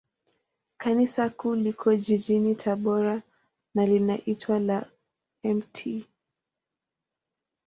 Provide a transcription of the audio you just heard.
Kanisa Kuu liko jijini Tabora, na linaitwa la Mt.